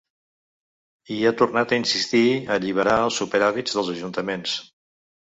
I ha tornat a insistir a alliberar els superàvits dels ajuntaments.